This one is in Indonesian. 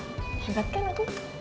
hebat kan aku